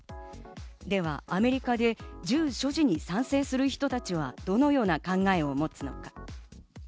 ではアメリカで銃所持に賛成する人たちはどのような考えを持つのか。